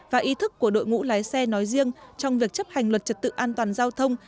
và ý thức của đội ngũ lái xe nói riêng trong việc chấp hành luật trật tự an toàn giao thông